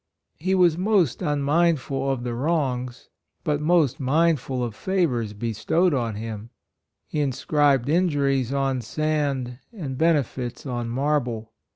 He was most unmindful of wrongs, but most mindful of favors 9* 98 PERSONAL RELIGION bestowed on him. He inscribed in juries on sand and benefits on mar ble.